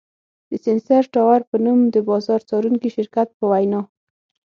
د سېنسر ټاور په نوم د بازار څارونکي شرکت په وینا